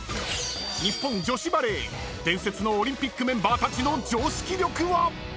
［日本女子バレー伝説のオリンピックメンバーたちの常識力は⁉］